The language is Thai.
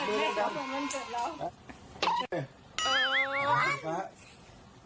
ดูแกผมเจอมันเจอมัน